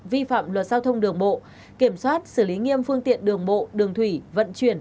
vi phạm luật giao thông đường bộ kiểm soát xử lý nghiêm phương tiện đường bộ đường thủy vận chuyển